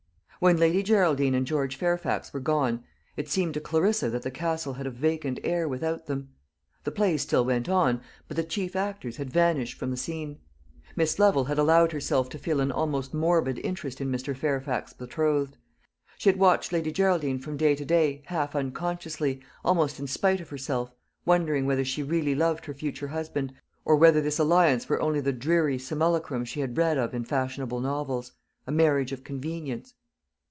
When Lady Geraldine and George Fairfax were gone, it seemed to Clarissa that the Castle had a vacant air without them. The play still went on, but the chief actors had vanished from the scene. Miss Lovel had allowed herself to feel an almost morbid interest in Mr. Fairfax's betrothed. She had watched Lady Geraldine from day to day, half unconsciously, almost in spite of herself, wondering whether she really loved her future husband, or whether this alliance were only the dreary simulacrum she had read of in fashionable novels a marriage of convenience.